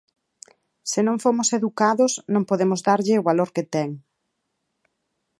Se non fomos educados, non podemos darlle o valor que ten.